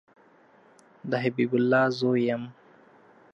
د حبیب الله زوی یم